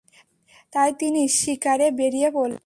তাই তিনি শিকারে বেরিয়ে পড়লেন।